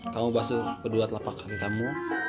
kamu basuh kedua telapak kaki kamu